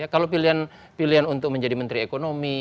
kalau pilihan untuk menjadi menteri ekonomi